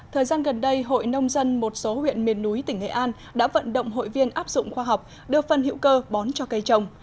thời gian gần đây hội nông dân một số huyện miền núi tỉnh nghệ an đã vận động hội viên áp dụng khoa học đưa phân hữu cơ bón cho cây trồng